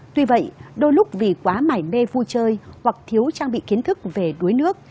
tuy vậy đôi lúc vì quá mải mê vui chơi hoặc thiếu trang bị kiến thức về đuối nước